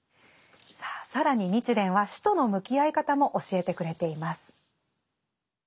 さあ更に日蓮は死との向き合い方も教えてくれています。